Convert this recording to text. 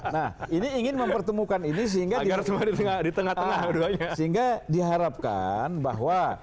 nah ini ingin mempertemukan ini sehingga diharapkan bahwa